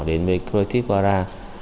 đến với creative dara